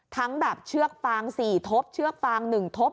ทั้งแบบเชือกฟาง๔ทบเชือกฟาง๑ทบ